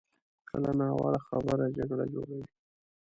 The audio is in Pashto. کله ناوړه خبره جګړه جوړوي.